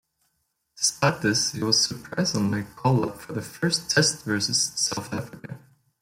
Despite this he was, surprisingly, called up for the first Test versus South Africa.